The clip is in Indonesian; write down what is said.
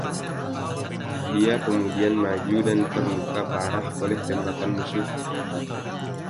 Dia kemudian maju dan terluka parah oleh tembakan musuh.